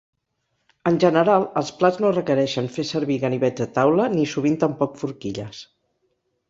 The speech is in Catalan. En general, els plats no requereixen fer servir ganivets a taula, ni sovint tampoc forquilles.